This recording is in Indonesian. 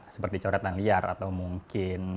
seperti coretan liar atau mungkin